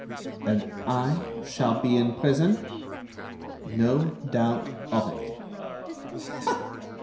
"And I shall be in prison?" "No doubt of it."